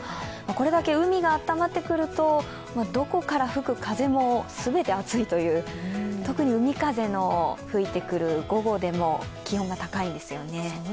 これだけ海が温まってくるとどこから吹く風も全て熱いという、特に海風の吹いてくる午後でも気温が高いんですよね。